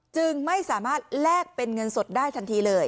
จึงไม่สามารถแลกเป็นเงินสดได้ทันทีเลย